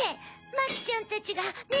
マキちゃんたちがね